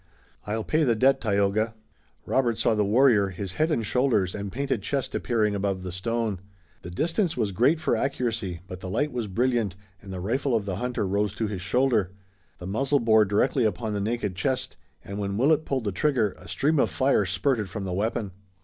"I'll pay the debt, Tayoga." Robert saw the warrior, his head and shoulders and painted chest appearing above the stone. The distance was great for accuracy, but the light was brilliant, and the rifle of the hunter rose to his shoulder. The muzzle bore directly upon the naked chest, and when Willet pulled the trigger a stream of fire spurted from the weapon.